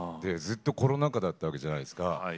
ずっとコロナ禍だったわけじゃないですか。